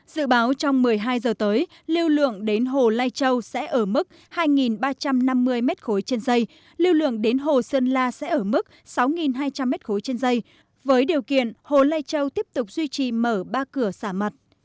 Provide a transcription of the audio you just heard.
dự báo trong một mươi hai giờ tới lưu lượng đến hồ lai châu sẽ ở mức hai ba trăm năm mươi m ba trên dây lưu lượng đến hồ sơn la sẽ ở mức sáu hai trăm linh m ba trên dây với điều kiện hồ lây châu tiếp tục duy trì mở ba cửa xả mặt